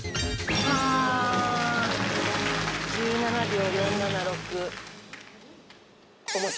１７秒４７６。